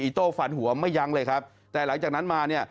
โต้ฝันหัวไม่ยั้งเลยครับแต่หลังจากนั้นมาเนี่ย